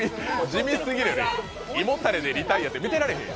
地味すぎる、胃もたれでリタイアって見てられへん。